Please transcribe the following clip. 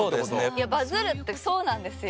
いやバズるってそうなんですよ。